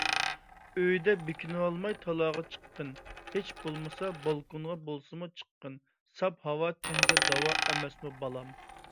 ئۆيدە بېكىنىۋالماي، تالاغا چىققىن. ھىچ بولمىسا بالكۇنغا بولسىمۇ چىققىن، ساپ ھاۋا تەنگە داۋا ئەمەسمۇ بالام.